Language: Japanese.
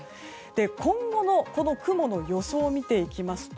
今後の雲の予想を見ていきますと